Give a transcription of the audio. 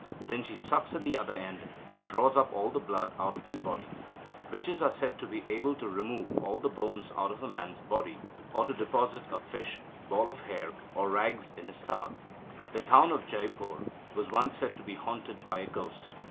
Then she sucks at the other end, and draws up all the blood out of his body. Witches are said to be able to remove all the bones out of a man's body, or to deposit a fish, ball of hair, or rags in his stomach. The town of Jeypore was once said to be haunted by a ghost.